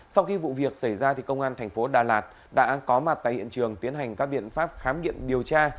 sau khi vụ việc xảy ra công an thành phố đà lạt đã có mặt tại hiện trường tiến hành các biện pháp khám nghiệm điều tra